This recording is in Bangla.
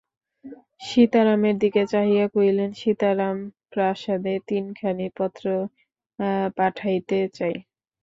সীতারামের দিকে চাহিয়া কহিলেন, সীতারাম, প্রাসাদে তিনখানি পত্র পাঠাইতে চাই।